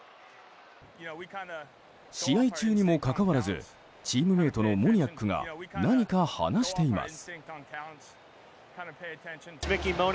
試合中にもかかわらずチームメートのモニアックが何か話しています。